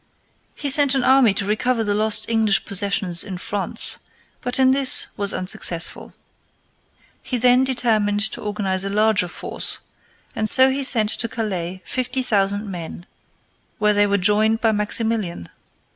He sent an army to recover the lost English possessions in France, but in this was unsuccessful. He then determined to organize a larger force, and so he sent to Calais fifty thousand men, where they were joined by Maximilian.